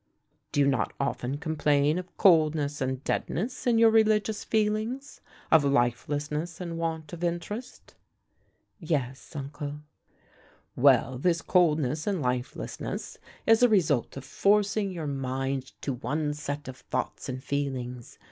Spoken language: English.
"Do you not often complain of coldness and deadness in your religious feelings? of lifelessness and want of interest?" "Yes, uncle." "Well, this coldness and lifelessness is the result of forcing your mind to one set of thoughts and feelings.